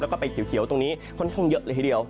แล้วก็ไปเขียวตรงนี้ค่อนข้างเยอะเลยทีเดียว